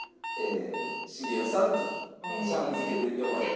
茂雄さんとかちゃん付けで呼ばれたり。